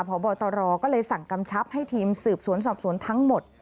พบตรก็เลยสั่งกำชับให้ทีมสืบสวนสอบสวนทั้งหมด